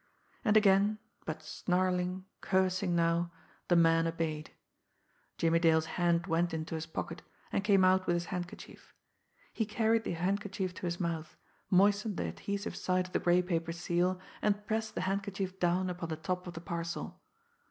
And again, but snarling, cursing now, the man obeyed. Jimmie Dale's hand went into his pocket, and came out with his handkerchief. He carried the handkerchief to his mouth, moistened the adhesive side of the gray paper seal, and pressed the handkerchief down upon the top of the parcel.